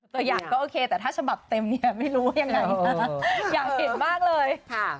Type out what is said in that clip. ตัวอย่างก็โอเคแต่ถ้าฉบับเต็มเนี่ยไม่รู้ว่ายังไงนะอยากเห็นมากเลย